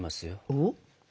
おっ？